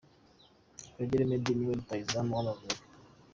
Kagere Meddie ni na Rutahizamu w’Amavubi.